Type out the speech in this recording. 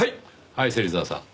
はい芹沢さん。